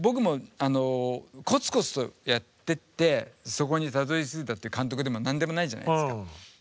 僕もコツコツとやってってそこにたどりついたって監督でも何でもないじゃないですか。